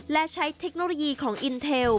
และใช้เทคโนโลยีของอินเทล